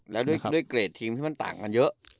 แล้วด้วยเกรดทีมที่มันต่างกันเยอะ